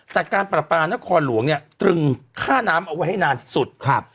แต่การประปานครหลวงเนี่ยตรึงค่าน้ำเอาไว้ให้นานที่สุดครับ